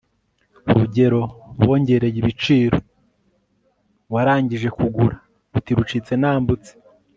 urugero bongereye ibiciro warangije kugura, uti «rucitse nambutse»